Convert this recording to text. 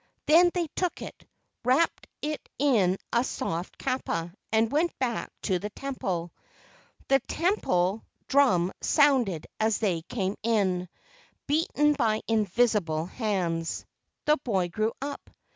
Then they took it, wrapped it in a soft kapa and went back to the temple. The temple drum sounded as they came in, beaten by invisible hands. The boy grew up.